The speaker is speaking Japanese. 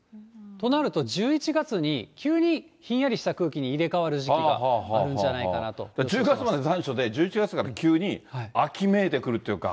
となると、１１月に急にひんやりした空気に入れ替わる時期があるんじゃない１０月まで残暑で、１１月から急に秋めいてくるっていうか。